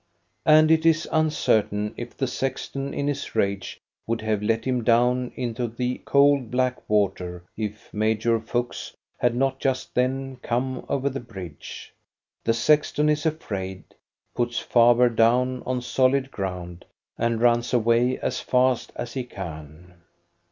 " And it is uncertain if the sexton in his rage would have let him down into the cold black water if Major Fuchs had not just then come over the bridge. The sexton is afraid, puts Faber down on solid ground, and runs away as fast as he can.